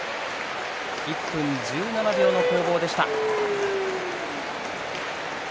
１分１７秒の攻防でした。